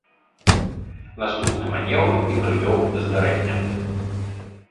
Наступны манеўр і прывёў да здарэння.